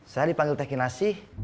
saya dipanggil teki nasi